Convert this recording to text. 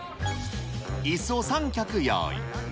いすを３脚用意。